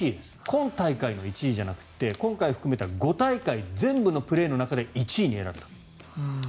今大会の１位じゃなくて今回含めた５大会全部のプレーの中で１位に選んだ。